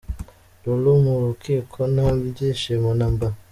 Lulu mu rukiko nta byishimo na mba!!.